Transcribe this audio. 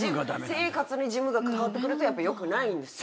生活にジムが関わってくるとやっぱよくないんですよ